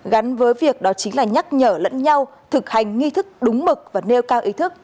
gắn với việc đó chính là nhắc nhở lẫn nhau thực hành nghi thức đúng mực và nêu cao ý thức